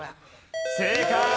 正解！